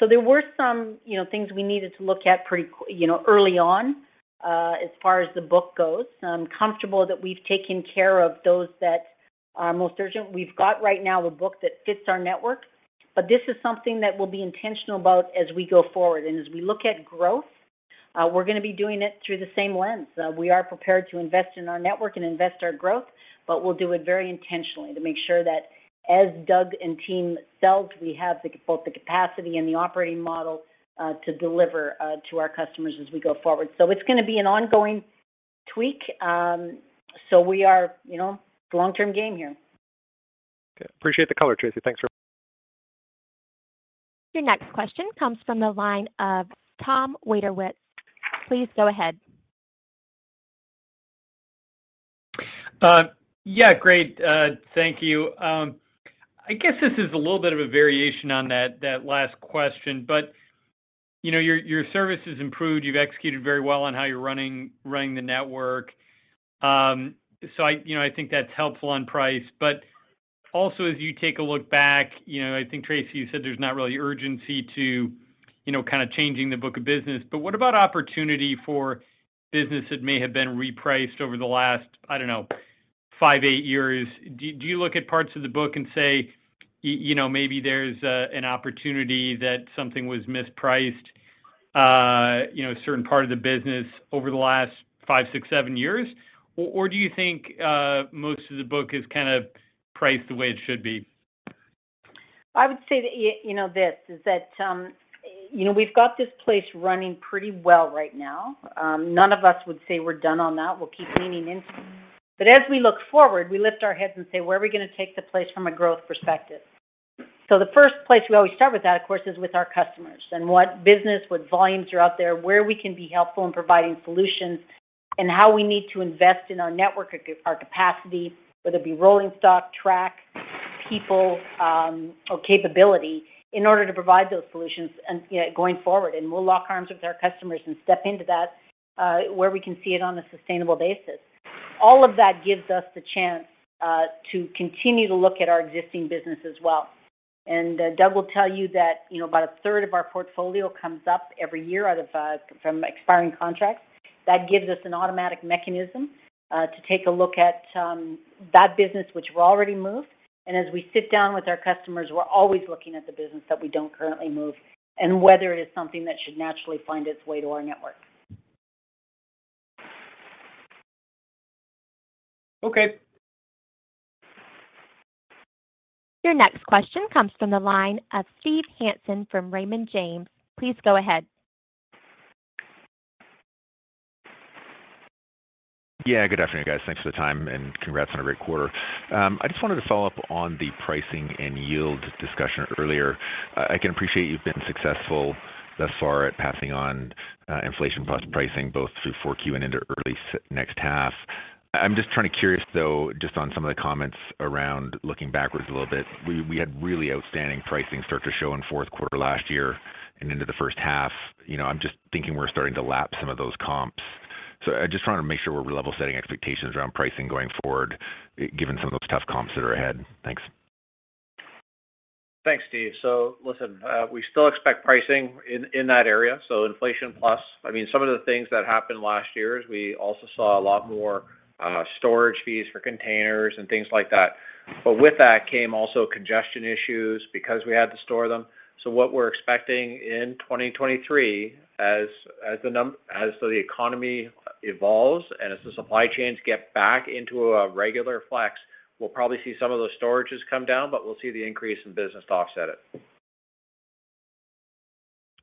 There were some things we needed to look at pretty quickly, you know, early on as far as the book goes. I'm comfortable that we've taken care of those that are most urgent. We've got right now a book that fits our network. This is something that we'll be intentional about as we go forward. As we look at growth, we're gonna be doing it through the same lens. We are prepared to invest in our network and invest our growth, but we'll do it very intentionally to make sure that as Doug and team sells, we have both the capacity and the operating model to deliver to our customers as we go forward. It's gonna be an ongoing tweak. We are, you know, long-term game here. Okay. Appreciate the color, Tracy. Thanks very much. Your next question comes from the line of Thomas Wadewitz. Please go ahead. Yeah. Great, thank you. I guess this is a little bit of a variation on that last question, but you know, your service has improved. You've executed very well on how you're running the network. I, you know, I think that's helpful on price. Also as you take a look back, you know, I think, Tracy, you said there's not really urgency to, you know, kind of changing the book of business. What about opportunity for business that may have been repriced over the last, I don't know, five, eight years? Do you look at parts of the book and say, you know, maybe there's an opportunity that something was mispriced, you know, a certain part of the business over the last five, six, seven years? Do you think most of the book is kind of priced the way it should be? I would say that you know this is that, you know, we've got this place running pretty well right now. None of us would say we're done on that. We'll keep leaning in. As we look forward, we lift our heads and say, "Where are we gonna take the place from a growth perspective?" The first place we always start with that, of course, is with our customers and what business, what volumes are out there, where we can be helpful in providing solutions and how we need to invest in our network, our capacity, whether it be rolling stock, track, people, or capability in order to provide those solutions and, you know, going forward. We'll lock arms with our customers and step into that, where we can see it on a sustainable basis All of that gives us the chance to continue to look at our existing business as well. Doug will tell you that, you know, about a third of our portfolio comes up every year from expiring contracts. That gives us an automatic mechanism to take a look at that business which we already move. As we sit down with our customers, we're always looking at the business that we don't currently move and whether it is something that should naturally find its way to our network. Okay. Your next question comes from the line of Steven Hansen from Raymond James. Please go ahead. Yeah. Good afternoon, guys. Thanks for the time, and congrats on a great quarter. I just wanted to follow up on the pricing and yield discussion earlier. I can appreciate you've been successful thus far at passing on inflation plus pricing, both through 4Q and into early second half. I'm just curious, though, just on some of the comments around looking backwards a little bit. We had really outstanding pricing start to show in fourth quarter last year and into the first half. You know, I'm just thinking we're starting to lap some of those comps. I just wanna make sure we're level-setting expectations around pricing going forward given some of those tough comps that are ahead. Thanks. Thanks, Steve. Listen, we still expect pricing in that area, so inflation plus. I mean, some of the things that happened last year is we also saw a lot more storage fees for containers and things like that. But with that came also congestion issues because we had to store them. What we're expecting in 2023 as the economy evolves and as the supply chains get back into a regular flex, we'll probably see some of those storages come down, but we'll see the increase in business to offset it.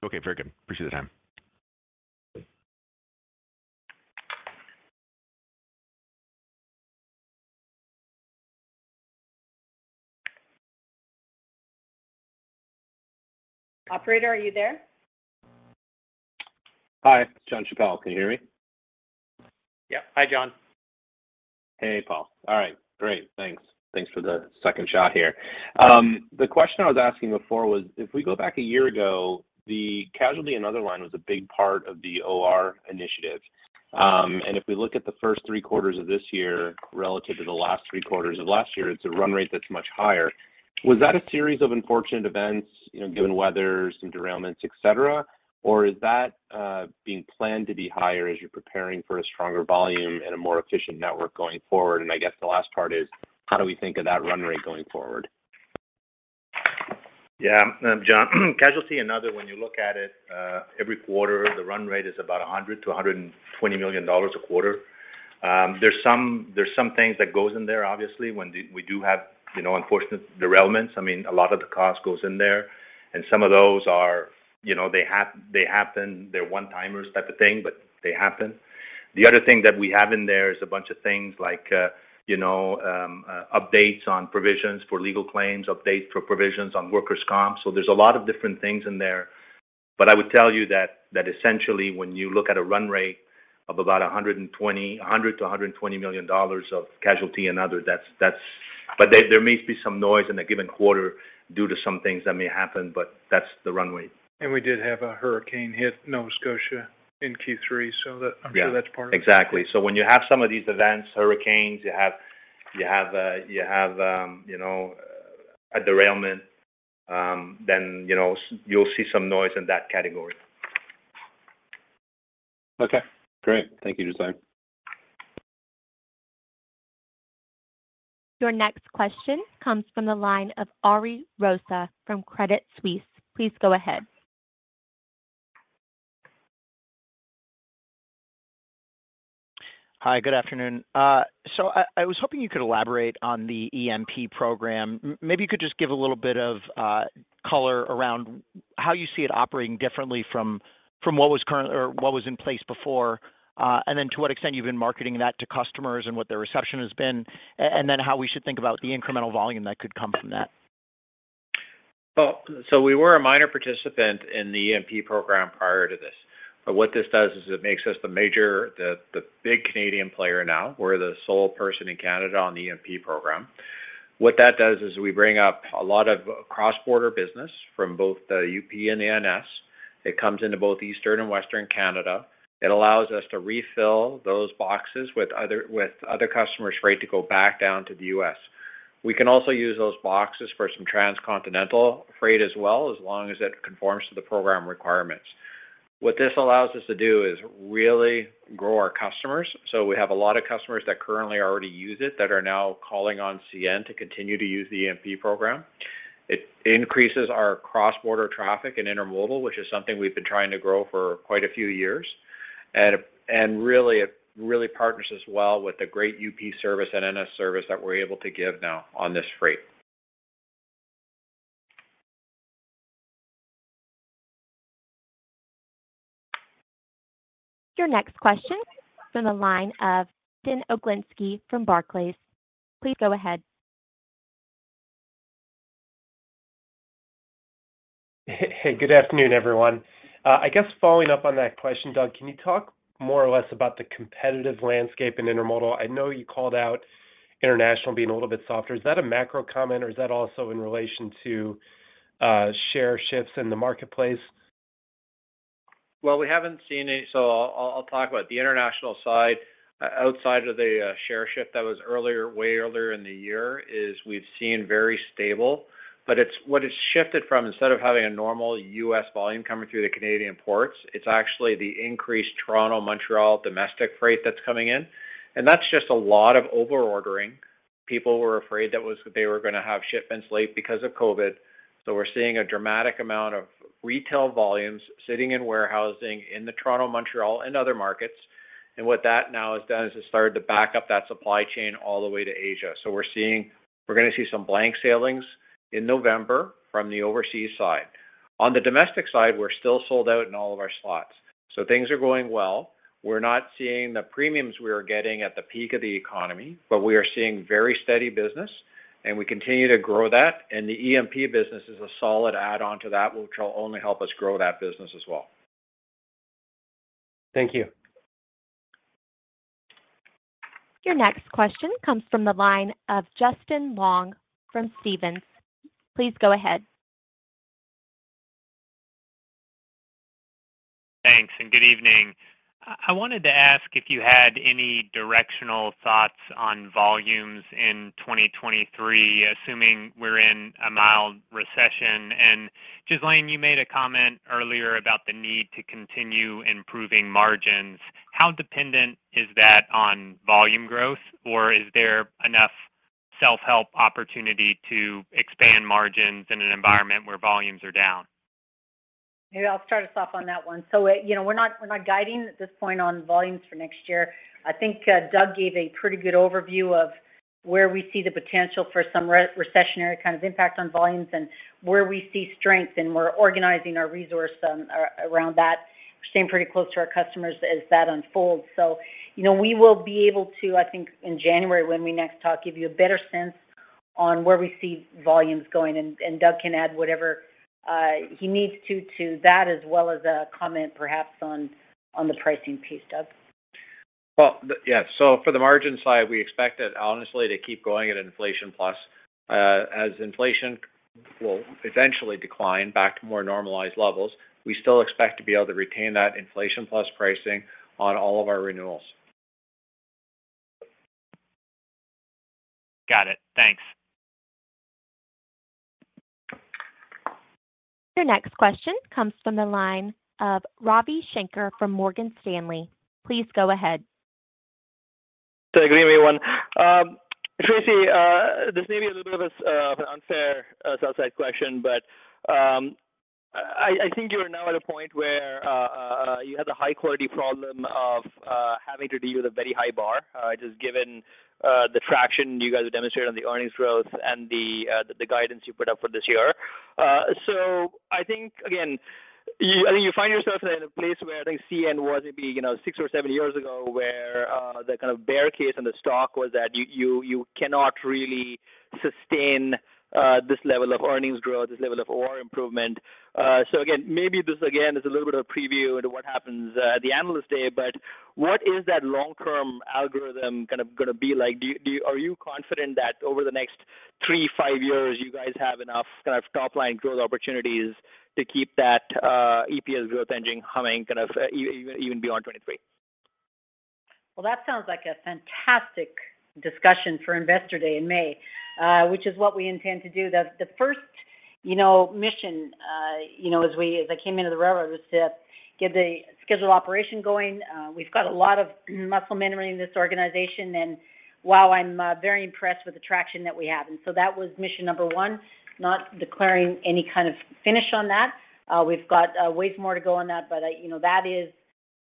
Okay, very good. Appreciate the time. Operator, are you there? Hi, Jonathan Chappell. Can you hear me? Yeah. Hi, John. Hey, Paul. All right, great. Thanks. Thanks for the second shot here. The question I was asking before was, if we go back a year ago, the casualty and other line was a big part of the OR initiative. If we look at the first three quarters of this year relative to the last three quarters of last year, it's a run rate that's much higher. Was that a series of unfortunate events, you know, given weather, some derailments, et cetera, or is that being planned to be higher as you're preparing for a stronger volume and a more efficient network going forward? I guess the last part is, how do we think of that run rate going forward? Yeah. John, Casualty and Other, when you look at it, every quarter, the run rate is about 100 million-120 million dollars a quarter. There's some things that goes in there, obviously, when we do have, you know, unfortunate derailments. I mean, a lot of the cost goes in there, and some of those are, you know, they happen. They're one-timers type of thing, but they happen. The other thing that we have in there is a bunch of things like, you know, updates on provisions for legal claims, updates for provisions on workers' comp. So there's a lot of different things in there. I would tell you that essentially when you look at a run rate of about 100 million-120 million dollars of casualty and other, that's. There may be some noise in a given quarter due to some things that may happen, but that's the run rate. We did have a hurricane hit Nova Scotia in Q3, so that. Yeah. I'm sure that's part of it. Exactly. When you have some of these events, hurricanes, you have a derailment, then you'll see some noise in that category. Okay, great. Thank you. Just saying. Your next question comes from the line of Ariel Rosa from Credit Suisse. Please go ahead. Hi, good afternoon. I was hoping you could elaborate on the EMP program. Maybe you could just give a little bit of color around how you see it operating differently from what was current or what was in place before. To what extent you've been marketing that to customers and what the reception has been, and then how we should think about the incremental volume that could come from that. Well, we were a minor participant in the EMP program prior to this. What this does is it makes us the major, the big Canadian player now. We're the sole person in Canada on the EMP program. What that does is we bring up a lot of cross-border business from both the UP and the NS. It comes into both Eastern and Western Canada. It allows us to refill those boxes with other customers' freight to go back down to the US. We can also use those boxes for some transcontinental freight as well, as long as it conforms to the program requirements. What this allows us to do is really grow our customers. We have a lot of customers that currently already use it that are now calling on CN to continue to use the EMP program. It increases our cross-border traffic and intermodal, which is something we've been trying to grow for quite a few years. Really, it partners as well with the great UP service and NS service that we're able to give now on this freight. Your next question from the line of Brandon Oglenski from Barclays. Please go ahead. Hey, good afternoon, everyone. I guess following up on that question, Doug, can you talk more or less about the competitive landscape in intermodal? I know you called out international being a little bit softer. Is that a macro comment, or is that also in relation to, share shifts in the marketplace? Well, we haven't seen any, so I'll talk about the international side. Outside of the share shift that was earlier, way earlier in the year, as we've seen very stable. What it's shifted from, instead of having a normal U.S. volume coming through the Canadian ports, it's actually the increased Toronto-Montreal domestic freight that's coming in, and that's just a lot of over-ordering. People were afraid they were gonna have shipments late because of COVID, so we're seeing a dramatic amount of retail volumes sitting in warehousing in the Toronto, Montreal, and other markets. What that now has done is it started to back up that supply chain all the way to Asia. We're gonna see some blank sailings. In November from the overseas side. On the domestic side, we're still sold out in all of our slots, so things are going well. We're not seeing the premiums we were getting at the peak of the economy, but we are seeing very steady business and we continue to grow that. The EMP business is a solid add-on to that, which will only help us grow that business as well. Thank you. Your next question comes from the line of Justin Long from Stephens. Please go ahead. Thanks, and good evening. I wanted to ask if you had any directional thoughts on volumes in 2023, assuming we're in a mild recession. Ghislain, you made a comment earlier about the need to continue improving margins. How dependent is that on volume growth? Is there enough self-help opportunity to expand margins in an environment where volumes are down? Maybe I'll start us off on that one. You know, we're not guiding at this point on volumes for next year. I think, Doug gave a pretty good overview of where we see the potential for some recessionary kind of impact on volumes and where we see strength, and we're organizing our resources around that. We're staying pretty close to our customers as that unfolds. You know, we will be able to, I think in January when we next talk, give you a better sense on where we see volumes going, and Doug can add whatever he needs to that as well as a comment perhaps on the pricing piece. Doug? For the margin side, we expect it honestly to keep going at inflation plus. As inflation will eventually decline back to more normalized levels, we still expect to be able to retain that inflation plus pricing on all of our renewals. Got it. Thanks. Your next question comes from the line of Ravi Shanker from Morgan Stanley. Please go ahead. Good evening, everyone. Tracy, this may be a little bit of an unfair sell-side question, but I think you are now at a point where you have the high quality problem of having to deal with a very high bar just given the traction you guys have demonstrated on the earnings growth and the guidance you put up for this year. I think, again, you find yourself in a place where I think CN was, you know, six or seven years ago where the kind of bear case on the stock was that you cannot really sustain this level of earnings growth, this level of OR improvement. Again, maybe this again is a little bit of a preview into what happens at the Analyst Day, but what is that long-term algorithm kind of gonna be like? Are you confident that over the next three to five years, you guys have enough kind of top-line growth opportunities to keep that EPS growth engine humming kind of even beyond 2023? Well, that sounds like a fantastic discussion for Investor Day in May, which is what we intend to do. The first, you know, mission as I came into the railroad was to get the scheduled operation going. We've got a lot of muscle memory in this organization. While I'm very impressed with the traction that we have. That was mission number one. Not declaring any kind of finish on that. We've got a ways more to go on that, but you know, that is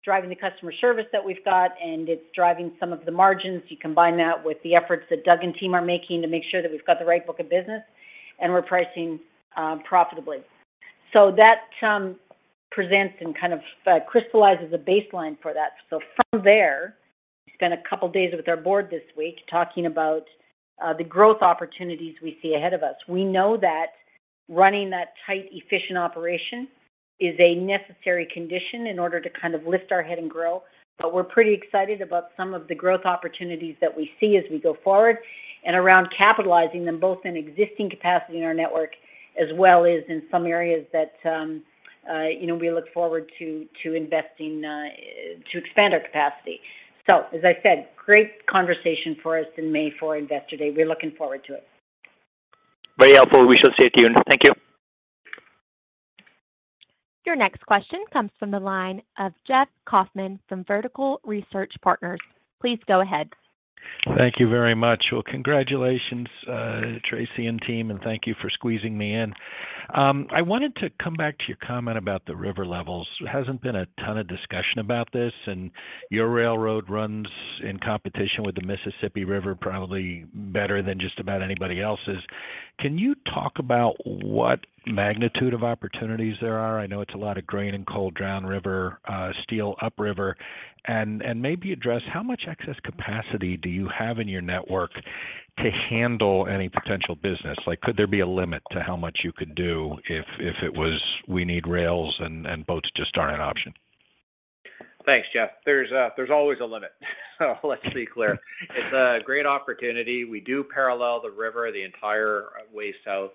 driving the customer service that we've got and it's driving some of the margins. You combine that with the efforts that Doug and team are making to make sure that we've got the right book of business and we're pricing profitably. That presents and kind of crystallizes a baseline for that. From there, we spent a couple of days with our board this week talking about the growth opportunities we see ahead of us. We know that running that tight, efficient operation is a necessary condition in order to kind of lift our head and grow. But we're pretty excited about some of the growth opportunities that we see as we go forward and around capitalizing them both in existing capacity in our network, as well as in some areas that, you know, we look forward to investing, to expand our capacity. As I said, great conversation for us in May for Investor Day. We're looking forward to it. Very helpful. We shall stay tuned. Thank you. Your next question comes from the line of Jeffrey Kauffman from Vertical Research Partners. Please go ahead. Thank you very much. Well, congratulations, Tracy and team, and thank you for squeezing me in. I wanted to come back to your comment about the river levels. There hasn't been a ton of discussion about this, and your railroad runs in competition with the Mississippi River probably better than just about anybody else's. Can you talk about what magnitude of opportunities there are? I know it's a lot of grain and coal downriver, steel upriver. Maybe address how much excess capacity do you have in your network to handle any potential business? Like, could there be a limit to how much you could do if it was, we need rails and boats just aren't an option? Thanks, Jeff. There's always a limit, so let's be clear. It's a great opportunity. We do parallel the river the entire way south.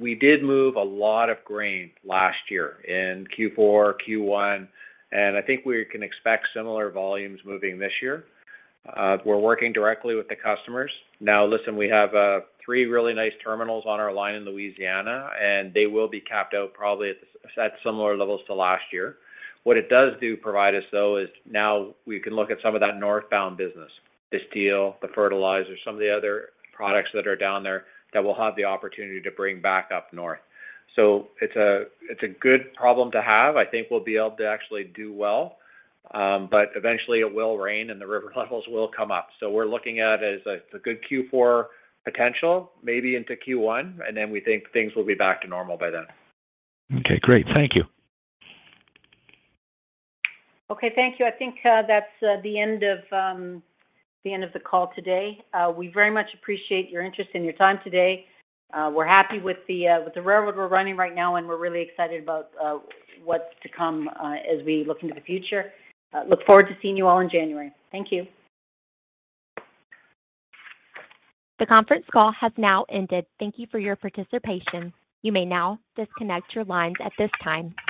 We did move a lot of grain last year in Q4, Q1, and I think we can expect similar volumes moving this year. We're working directly with the customers. Now, listen, we have three really nice terminals on our line in Louisiana, and they will be capped out probably at similar levels to last year. What it does provide us, though, is now we can look at some of that northbound business, the steel, the fertilizer, some of the other products that are down there that we'll have the opportunity to bring back up north. It's a good problem to have. I think we'll be able to actually do well Eventually it will rain and the river levels will come up. We're looking at it as a good Q4 potential, maybe into Q1, and then we think things will be back to normal by then. Okay, great. Thank you. Okay, thank you. I think that's the end of the call today. We very much appreciate your interest and your time today. We're happy with the railroad we're running right now, and we're really excited about what's to come as we look into the future. Look forward to seeing you all in January. Thank you. The conference call has now ended. Thank you for your participation. You may now disconnect your lines at this time.